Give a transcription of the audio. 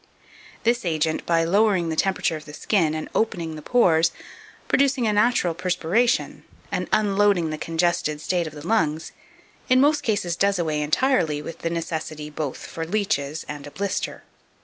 This agent, by lowering the temperature of the skin, and opening the pores, producing a natural perspiration, and unloading the congested state of the lungs, in most cases does away entirely with the necessity both for leeches and a blister.